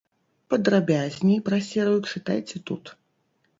Падрабязней пра серыю чытайце тут.